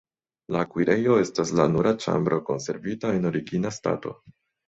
La kuirejo estas la nura ĉambro konservita en origina stato.